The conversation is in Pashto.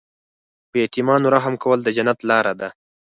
په یتیمانو رحم کول د جنت لاره ده.